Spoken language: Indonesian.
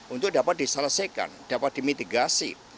untuk dapat diselesaikan dapat dimitigasi